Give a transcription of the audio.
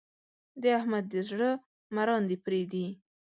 د احمد د زړه مراندې پرې دي.